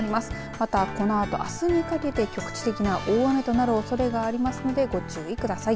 またこのあとあすにかけて局地的な大雨となるおそれがありますのでご注意ください。